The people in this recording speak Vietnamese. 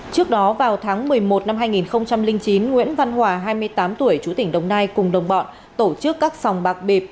trước đó vào tháng một mươi một năm hai nghìn chín nguyễn văn hòa hai mươi tám tuổi chú tỉnh đồng nai cùng đồng bọn tổ chức các sòng bạc bịp